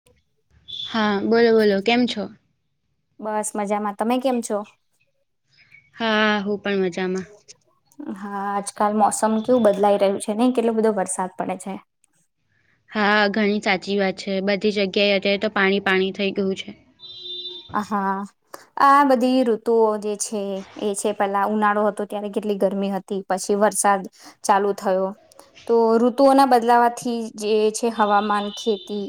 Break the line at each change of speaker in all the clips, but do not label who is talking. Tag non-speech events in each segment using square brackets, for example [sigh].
[inaudible]
હા બોલો બોલો. કેમ છો?
બસ મજામાં. તમે કેમ છો?
હા! હું પણ મજામાં.
હા! આજકાલ મોસમ કેવું બદલાઈ રહ્યું છે ને. કેટલો બધો વરસાદ પડે છે.
હા! ઘણી સાચી વાત છે. બધી જગ્યાએ અત્યારે તો પાણી પાણી થઈ ગયું છે.
હ હા! આ બધી ઋતુઓ જે છે. એ છે પેલા ઉનાળો હતો ત્યારે, કેટલી ગરમી હતી. પછી વરસાદ ચાલુ થયો. તો ઋતુઓના બદલાવાથી જે છે હવામાન ખેતી,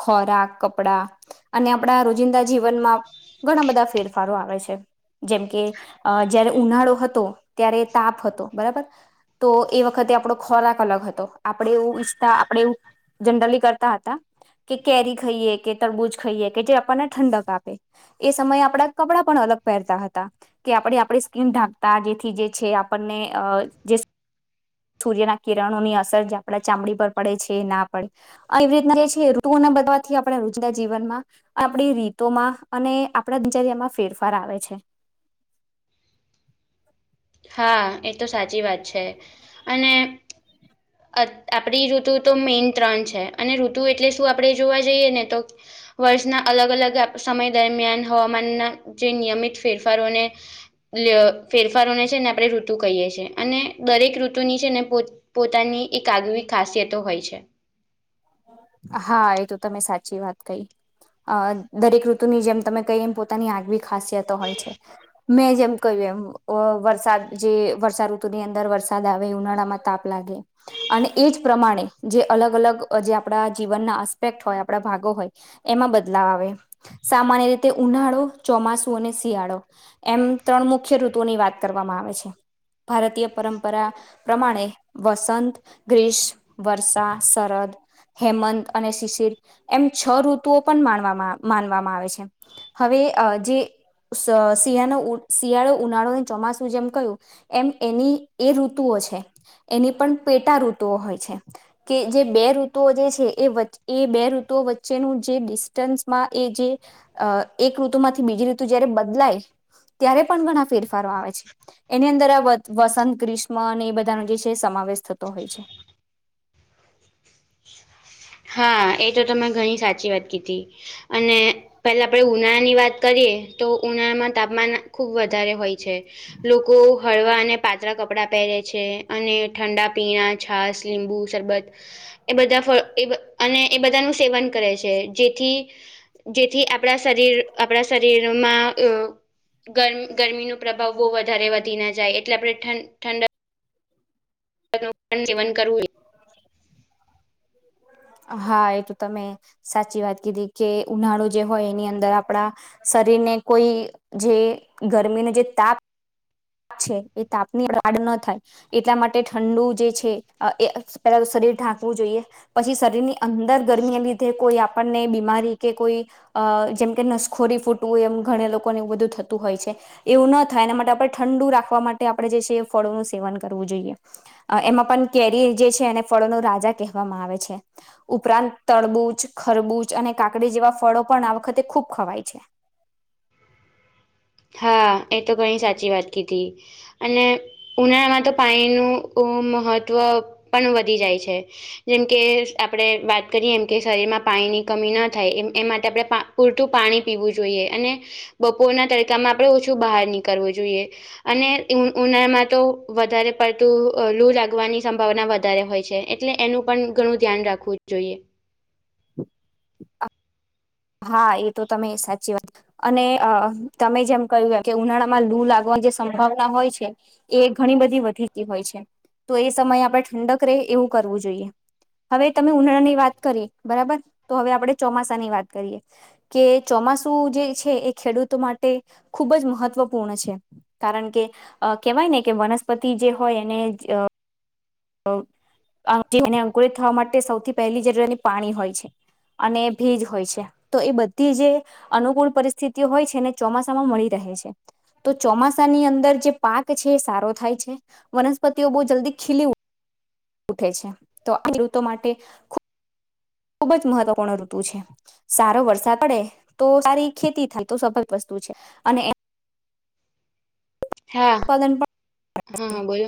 ખોરાક કપડાં અને આપડા રોજિંદા જીવ વનમાં ઘણા બધા ફેરફારો આવે છે. જેમ કે અ જયારે ઉનાળો હતો ત્યારે તાપ હતો બરાબર. તો એ વખતે આપડો ખોરાક અલગ હતો આપણેે એવું ઈચ્છતા આપણેે એવું, જનરલી કરતા હતા, કે કેરી ખાઈએ, કે તરબૂજ ખાઈએ, કે જે આપન ને ઠંડક, આપે. એ સમયે આપડા કપડાં પણ અલગ પહેરતા હતા. કે આપણે આપણે સ્કીન ઢાંકતા જેથી જે છે આપન ને જે સ્કી સૂર્યના કિરણોની અસર જે આપડા ચામડી પર પડે છે એ ના પડે. આવી રીતના જે છે ઋતુને બદવાથી આપણે રોજિદા જીવનમાં આપણી રી રીતો માં અને આપણા દિનચર્યામાં ફેરફાર આવે છે.
હા એ તો સાચી વાત છે અને અત આપણી ઋતુ તો મેન ત્રણ છે અને ઋતુ એટલે શું આપણે જોવા જઈએ ને તો વર્ષના અલગ અલગ આપ સમય દરમિયાન હવામાનના જે નિયમિત ફેરફારોને લ ફેરફારોને છે ને આપણેે ઋતુ કહીએ છીએ અને દરેક ઋતુની છે ને પોત પોતાની એક આગવી ખાસિયતો હોય છે.
હા એ તો તમે સાચી વાત કહી. અ દરેક ઋતુની જેમ તમે કહી એમ પોતાની આગવી ખાસિયતો હોય છે. મેં જેમ કહ્યું એમ વ વરસાદ જે વર્ષાઋતુની અંદર વરસાદ આવે ઉનાળામાં તાપ લાગે અને એ જ પ્રમાણે જે અલગ અલગ અ જે આપણા જીવનના આસ્પેક્ટ હોય આપણા ભાગો હોય એમાં બદલાવ આવે. સામાન્ય રીતે ઉનાળો, ચોમાસું અને શિયાળો એમ ત્રણ મુખ્ય ઋતુઓની વાત કરવામાં આવે છે. ભારતીય પરંપરા પ્રમાણે વસંત, ગ્રીશ, વર્ષા, શરદ હેમંત અને શિશિર એમ છ ઋતુઓ પન માનવામાં માનવામાં આવે છે. હવે અ જે શિયાનો શિયાળો, ઉનાળો, ચોમાસું જેમ કહ્યું એમ એની એ ઋતુઓ છે એની પણ પેટા ઋતુઓ હોય છે. કે જે બે ઋ ઋતું ઓ જે છે એ એ બે ઋતુ વચ્ચેનું જે ડિસ્ટન્સમાં એ જે અ એક ઋતુમાંથી બીજી ઋતુ જયારે બદલાય ત્યારે પણ ઘણાં ફેરફારો આવે છે. એની અંદર આ વ વસંત, ગ્રીષ્મ અને એ બધાનો જે છે સમાવેશ થતો હોય છે.
હા એ તો તમે ઘણી સાચી વાત કીધી. અને પેલા આપણેે ઉનાળા ની વાત કરીએ તો ઉનાળા માં તાપમાન ખૂબ વધારે હોય છે. લોકો હળવા અને પાતળા કપડાં પહેરે છે અને ઠંડા પીણા છાસ, લીંબુ શરબત એ બધા ફ એ અને એ બધાનું સેવન કરે છે જેથી જેથી આપણા શરીર આપણા શરીરમાં અ ગરમી ગરમીનું પ્રભાવ બો વધારે વધી ના જાય એટલે આપણે ઠંડ ઠંડા. ઠંડા પાણી નું સેવન કરવું એ
હા એ તો તમે સાચી વાત કીધી કે ઉનાળો જે હોય એની અંદર આપણા શરીરને કોઈ જે ગરમીનો જે તાપ છે એ તાપ ની વાડ ન થાય. એટલા માટે ઠંડુ જે છે એ પેલા તો શરીર ઢાંકવું જોઈએ. પછી શરીરની અંદર ગરમીને લીધે કોઈ આપણ ને બીમારી કે કોઈ અ જેમ કે નસખોરી ફૂટવું એમ ઘણા લોકોને એવુ બધું થતું હોય છે એવું ન થાય એના માટે આપડે ઠંડુ રાખવા માટે આપણે જે છે એ ફળોનું સેવન કરવું જોઈએ. એમાં પણ કેરી એ જે છે એને ફળો નો રાજા કહેવામાં આવે છે. ઉપરાંત તરબૂચ, ખરબૂચ અને કાકડી જેવા ફળો પણ આ વખતે ખૂબ ખવાય છે.
હા એ તો ઘણી સાચી વાત કીધી. અને ઉનાળામાં તો પાણીનું મહત્વ પણ વધી જાય છે. જેમકે આપણે વાત કરીએ એમ કે શરીરમાં પાણીની કમી ન થાય એ એ માટે આપણે પા પૂરતું પાણી પીવું જોઈએ અને બપોરના તડકામાં આપણે ઓછું બહાર નીકળવું જોઈએ અને ઉનાળામાં તો વધારે પડતું લુ લાગવાની સંભાવના વધારે હોય છે. એટલે એનું પણ ઘણું ધ્યાન રાખવું જોઈએ.
હા એતો તમે સાચી વાત અને અ તમે જેમ કહ્યું એમ ઉનાળામાં લૂ લાગવાની જે સંભાવના હોય છે. એ ઘણી બધી વધીતી હોય છે તો એ સમયે આપણે ઠંડક રહે એવું કરવું જોઈએ. હવે તમે ઉનાળા ની વાત કરી બરાબર તો હવે આપણે ચોમાસાની વાત કરીએ. કે ચોમાસું જે છે એ ખેડૂતો માટે ખૂબ જ મહત્વપૂર્ણ છે. કારણ કે કેવાય ને કે વનસ્પતિ જે હોય એને [unintelligible] અંકુરિત થવા માટે સૌથી પહેલી જરૂરિયાત એની પાણી હોય છે અને ભેજ હોય છે તો એ બધી જે અનુકૂળ પરિસ્થિતિઓ હોય છે ને ચોમાસામાં મળી રહે છે. તો ચોમાસાની અંદર જે પાક છે એ સારો થાય છે વનસ્પતિઓ બહુ જલ્દી ખીલી ઉઠે છે તો [inaudible] ખેડૂતો માટે ખુબ જ મહત્વપૂર્ણ ઋતુ છે. સારો વરસાદ પડે તો સારી ખેતી થાય તો સ્વભાવિક વસ્તુ છે અને
હા
ઉત્પાદન પણ
હ હ
છે.
બોલો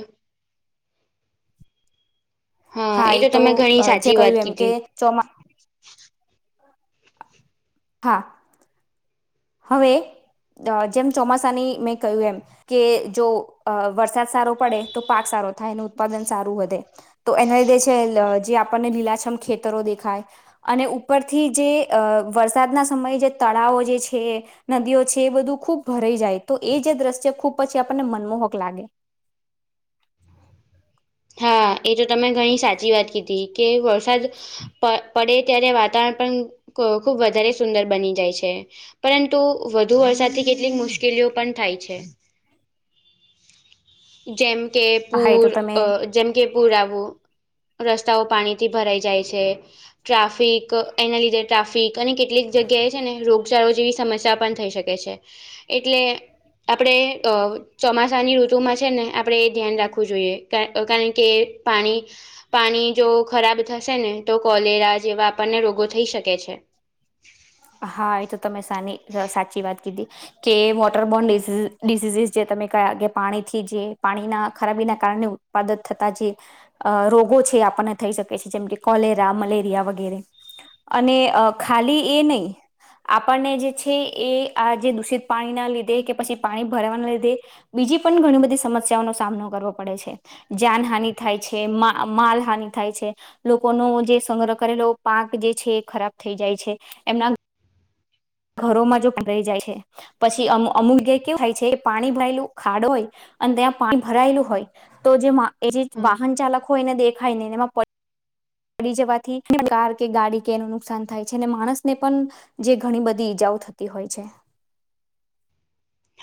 હા એ તો
તમે ઘણી
જે
સાચી વાત
કહ્યું એમ કે
કીધી
ચોમા હા હવે [unintelligible] જેમ ચોમાસાની મેં કહ્યું એમ કે જો વરસાદ સારો પડે તો પાક સારો થાય એનું ઉત્પાદન સારું વધે તો એના લીધે છે [unintelligible] જે આપણને લીલાછમ ખેતરો દેખાય અને ઉપરથી જે વરસાદના સમયે જે તળાવો જે છે. [unintelligible] નદીઓ છે એ બધું ખૂબ ભરાઈ જાય તો એ જે દ્રશ્ય ખુબ પછી આપણને મનમોહક લાગે
હા એ તો તમે ઘણી સાચી વાત કીધી કે વરસાદ પ પડે ત્યારે વાતાવરણ પણ ખુબ વધારે સુંદર બની જાય છે. પરંતુ વધુ વરસાદથી કેટલીક મુશ્કેલીઓ પણ થાય છે. જેમકે
હા એ
પુર
તો તમે
અ જેમકે પુર આવવું રસ્તાઓ પાણીથી ભરાઈ જાય છે. ટ્રાફિક એના લીધે ટ્રાફિક અને કેટલીક જગ્યાએ છે ને રોગચાળો જેવી સમસ્યા પણ થઈ શ કે છે એટલે આપણે ચોમાસાની [unintelligible] [unintelligible] માં છે ને આપણે એ ધ્યાન રાખવું જોઈએ કા કારણ કે પાણી પાણી જો ખરાબ થશે ને તો કોલેરા જેવા આપણને રોગો થઈ શકે છે.
હા એ તો તમે સાની સાચી વાત કીધી કે વોટરબોન ડિસીઝસ જે તમે કયા કે પાણીથી જે પાણી ના ખરાબી ના કારણે ઉત્પાદત થતા જે અ રોગો છે આપણને થઈ શકે છે જેમ કે કોલેરા મલેરિયા વગેરે અને ખાલી એ નહીં
[inaudible]
આપણને જે છે એ આ જે દૂષિત પાણીના લીધે કે પછી પાણી ભરાવાના લીધે બીજી પણ ઘણી બધી સમસ્યાઓનો સામનો કરવો પડે છે. જાનહાનિ થાય છે મા માલહાનિ થાય છે. લોકોનો જે સંગ્રહ કરેલો પાક જે છે ખરાબ થઈ જાય છે એમના ઘરોમાં જો [inaudible] જાય છે પછી અમુક [inaudible] એ કેવું થાય છે પાણી ભરાયેલું ખાડો હોય અને ત્યાં પાણી ભરાયેલું હોય તો જે વા, એ જે
હા
વાહન ચાલકો હોય એને દેખાય નય એમાં પ પડી જવાથી કાર કે, ગાડી કે એનું નુકસાન થાય છે, અને માણસ ને પણ જે ઘણી બધ ધી ઈજાઓ થતી હોય છે.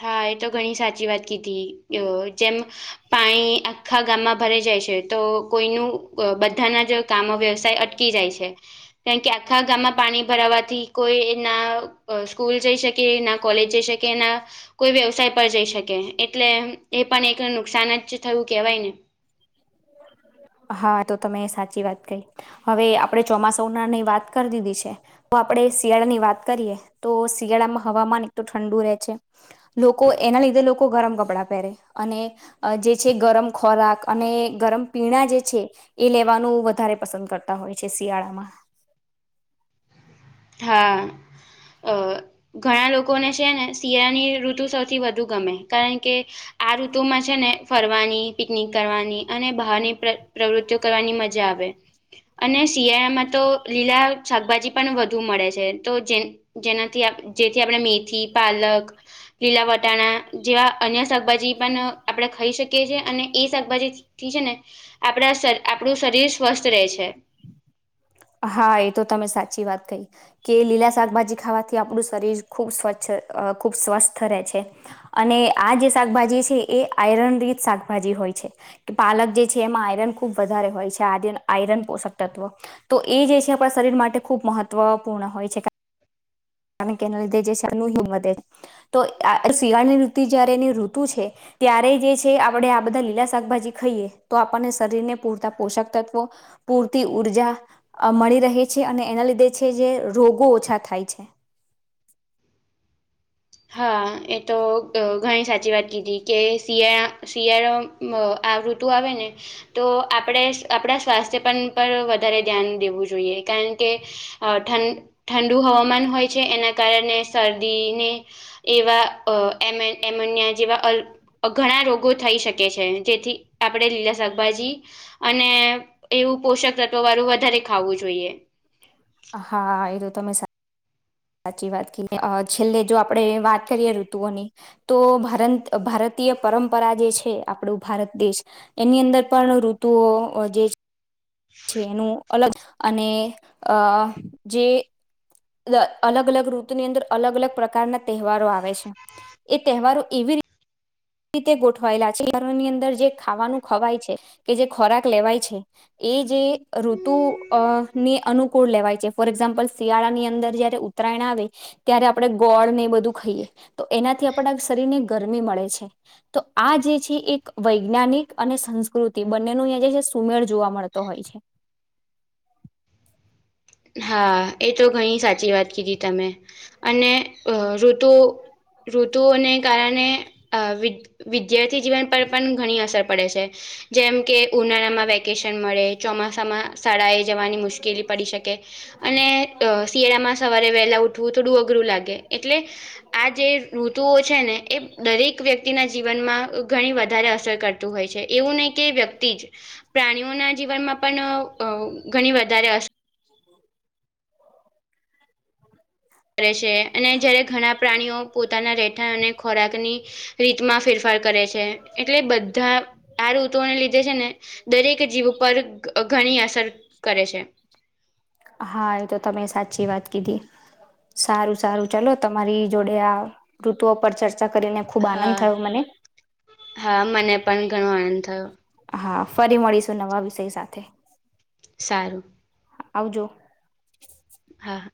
હા એ તો ઘણી સાચી વાત કીધી, અ જેમ પાણી, આખા ગામમાં ભરે જાય છે, તો કોઈનું બધાના જ કામ વ્યવસાય અટકી જાય છે. કારણ કે આખા ગામમાં પાણી ભરાવાથી, કોઈ ના અ સ્કૂલ જઈ શકે, ના કોલેજ જઈ શક કેના કોઈ વ્યવસાય પર જઈ શકે, એટલે એ પણ એક નુકસાન જ થયું કેહેવાય ને.
હા, તો તમે સાચી વાત કહી, હવે આપડે ચોમાસાઓ નાની વાત કર દીધી છે. તો આપડે શિયાળાની વાત કરીએ, તો શિયાળામાં હવામાન એક તો ઠંડુ રહે છે. લોકો, એના લીધે લોકો ગરમ કપડાં પહેરે, અને અ જે છે ગરમ ખોરાક, અને ગરમ પીણા જે છે, એ લેવાનું વધારે પસંદ કરતા હોય છે શિયાળામાં.
હા, અ ઘણા લોકોને છે ને, શિયાળાની ઋતુ સૌથી વધુ ગમે, કારણ કે આ ઋતુ માં છે ને, ફરવાની, પિકનિક કરવાની, અને બહારની પ્ર પ્રવૃત્તિઓ કરવાની મજા આવે. અને શિયાળામાં તો લીલા શાકભાજી પણ વધ ધુ મળે છે, તો જે જેનાથી આપ જેથી આપણે મેથી, પાલક લીલા વટાણા, જેવા અન્ય શાકભાજી પણ આપણે ખઈ શકીએ છીએ, અને એ શાકભાજી થી છે ને, આપડા શ આપડુ શરીર સ્વસ્થ રહે છે.
હા એ તો તમે સાચી વાત કહી. કે લીલા શાકભાજી ખાવાથી આપણું શરીર ખૂબ સ્વચ્છ, અ ખૂબ સ્વસ્થ રહે છે. અને આ જે શાકભાજી છે, એ આયરન રીત શાકભાજી હોય છે. કે પાલક જે છે, એમાં આયરન ખુબ વધારે હોય છે, આય આયરન પોષક તત્વ. તો એ જે છે આપણા શરીર માટે ખૂબ મહત્વપૂર્ણ હોય છે, કા રણ કે, એને લીધે જે છે, આપનું હિંમ વધે, તો આ શિયાળની ઋ જયારે એની ઋતુ છે. ત્યારે જે છે, આપણે આ બધા લીલા શાકભાજી ખાઈએ, તો આપણને શરીર ને પૂરતા પોષક તત્વો પૂરતી ઊર્જા, અ મળી રહે છે, અને એના લીધે છે જે, રોગો ઓછા થાય છે.
હા એ તો અ ઘણી સાચી વાત કીધી, કે શિયાળ શિયાળો મ આ ઋતુ આવે ને તો આપડે આપડા સ્વાસ્થ્ય પણ પર વધારે ધ્યાન દેવું જોઈએ, કારણ કે અ ઠન ઠંડુ હવામાન હોય છે, એના કારણે શરદીને એવા અ એમેન એમોનિયા જેવા અલ અ ઘણા રોગો થઈ શકે છે, જેથી આપડે લીલા શાકભાજી અને એવું પોષક તત્વ વાળું, વધારે ખાવું જોઈએ.
હા, એ તો તમે સા સાચી વાત કી, છેલ્લે જો આપડે વાત કરીએ ઋતુઓની તો ભારંત, ભારતીય પરંપરા જે છે, આપણું ભારત દેશ એની અંદર પણ ઋતુઓ અ જે છે એનું અલગ, અને અ જે લ અલગ અલગ ઋતુની અંદર, અલગ અલગ પ્રકારના તહેવારો આવે છે, એ તહેવારો એવી રી તે ગોઠવાયેલા છે, ઘરની અંદર જે ખાવાનું ખવાય છે, કે જે ખોરાક લેવાય છે. એ જે ઋતુ અ ને અનુકૂળ લેવાય છે, ફોર એક્ઝામ્પલ શિયાળાની અંદર જયારે ઉ ઉતરાયણ આવે. ત્યારે આપણે ગોળ ને એ બધું ખાઈએ, તો એનાથી આપણા શરીર ને ગરમી મળે છે. તો આ જે છે એક વૈજ્ઞાનિક અને સંસ્કૃતિ બંનેનું અહીં જે સુમેળ જોવા મળ. તો હોય છે.
હા એ તો ઘણી સાચી વાત કીધી તમે, અને ઋતુ ઋતુઓને કારણે અ વિ વિદ્યાર્થી જીવન પર પણ ઘણી અસર પડે છે, જેમ કે ઉનાળામાં વેકેશન મળે ચોમાસામાં શાળાએ જવાની મુશ્કેલી પડી શકે. અને શિયાળામાં સવારે વહેલા ઉઠવું થોડું અઘરું લાગે એટલે આ જે ઋતુઓ છે ને એ દરેક વ્યક્તિના જીવનમાં ઘણી વધારે અસર કરતા હોય છે એવું નહીં કે વ્યક્તિ જ. પ્રાણીઓના જીવનમાં પણ ઘણી વધારે અસર કરે છે અને જયારે ઘણા પ્રાણીઓ પોતાના રહેઠા અને ખોરાકની રીતમાં ફેરફાર કરે છે એટલે બધા આ ઋતુને લીધે છે ને દરેક જીવ પર ઘણી અસર કરે છે.
હા એ તો તમે સાચી વાત કીધી. સારું સારું ચાલો તમારી જોડે આ ઋતુઓ પર ચર્ચા કરીને ખુબ આનંદ
હા,
થયો મને
હા મને પણ ઘણો આનંદ થયો.
હા ફરી મળીશું નવા વિષય સાથે.
સારું.
આવજો.
હા હા.